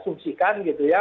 asumsikan gitu ya